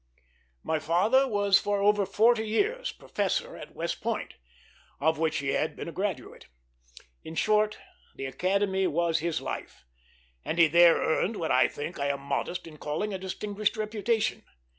My father was for over forty years professor at West Point, of which he had been a graduate. In short, the Academy was his life, and he there earned what I think I am modest in calling a distinguished reputation.